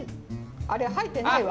あれ入ってないわ。